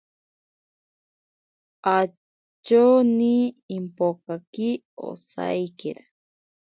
Atyoni impokaki osaikera.